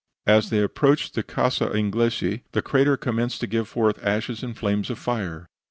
As they approached the Casa Inglesi the crater commenced to give forth ashes and flames of fire.